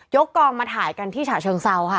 กองมาถ่ายกันที่ฉะเชิงเซาค่ะ